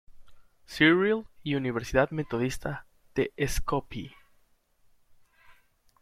Cyril y Universidad Metodista de Skopie.